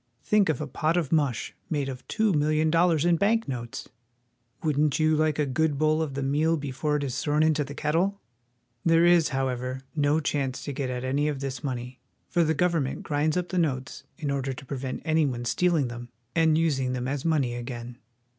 Think of a pot of mush made of two million dollars in bank notes! Wouldn't you like a good bowl of the meal before it is thrown into the kettle? There is, however, no chance to get at any of this money, for the government grinds up the notes in order to prevent any one stealing them and using them as money again.